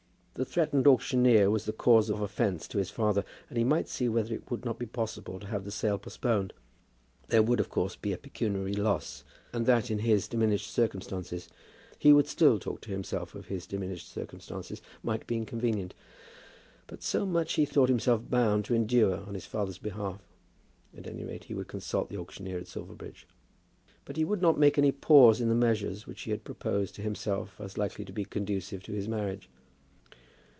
The threatened auctioneer was the cause of offence to his father, and he might see whether it would not be possible to have the sale postponed. There would, of course, be a pecuniary loss, and that in his diminished circumstances, he would still talk to himself of his diminished circumstances, might be inconvenient. But so much he thought himself bound to endure on his father's behalf. At any rate, he would consult the auctioneer at Silverbridge. But he would not make any pause in the measures which he had proposed to himself as likely to be conducive to his marriage.